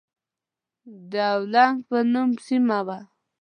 د اولنګ په نوم سيمه وه.